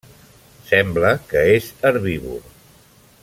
Sembla que és herbívor.